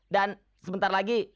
dan sebentar lagi